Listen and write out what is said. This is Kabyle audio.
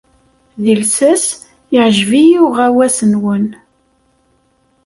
Deg llsas, yeɛjeb-iyi uɣawas-nwen.